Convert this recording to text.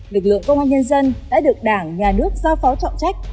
lực lượng công an nhân dân đã được đảng nhà nước giao phó trọng trách